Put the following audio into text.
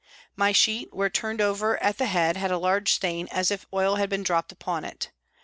My sheet, where turned over at the head, had a large stain, as if oil had been dropped upon it.